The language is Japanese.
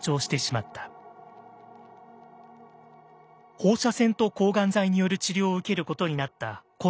放射線と抗がん剤による治療を受けることになった古村さん。